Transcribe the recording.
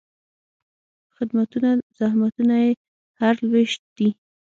خدمتونه، زحمتونه یې هر لوېشت دي